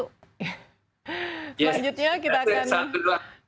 selanjutnya kita akan